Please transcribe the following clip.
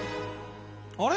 あれ？